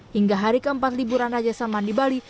hingga hari keempat liburan raja salman di bali